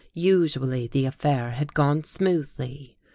Usually the affair had gone smoothly.